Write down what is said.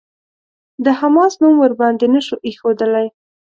د «حماس» نوم ورباندې نه شو ايښودلای.